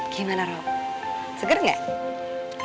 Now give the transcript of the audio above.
gimana rob segar gak